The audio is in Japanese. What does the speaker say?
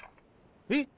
えっ？